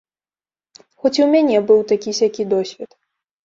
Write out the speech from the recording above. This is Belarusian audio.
Хоць і ў мяне быў такі-сякі досвед.